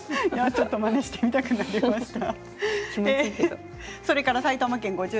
ちょっとまねしてみたくなりました。